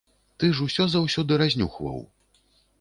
Ты ж усё заўсёды разнюхваў.